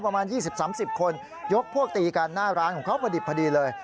ประมาณ๒๐๓๐คนยกพวกตีกันหน้าร้านของเขาพอดิบพอดีเลย